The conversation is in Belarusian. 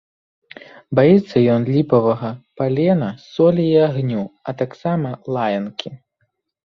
Баіцца ён ліпавага палена, солі і агню, а таксама лаянкі.